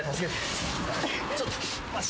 ちょっと足。